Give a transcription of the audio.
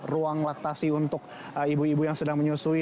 ruang laktasi untuk ibu ibu yang sedang menyusui